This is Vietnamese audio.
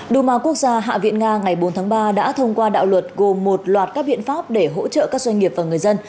duma quốc gia hạ viện nga ngày bốn tháng ba đã thông qua đạo luật gồm một loạt các biện pháp để hỗ trợ các doanh nghiệp và người dân